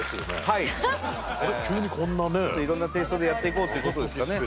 はい急にこんなね色んなテイストでやっていこうということですかね